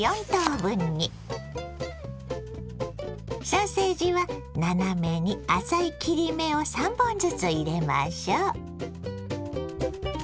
ソーセージは斜めに浅い切り目を３本ずつ入れましょ。